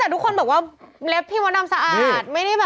แต่ทุกคนบอกว่าเล็บพี่มดดำสะอาดไม่ได้แบบ